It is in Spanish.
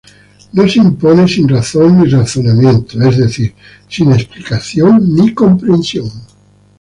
No se impone sin razón ni razonamientos, es decir, sin explicación ni comprensión.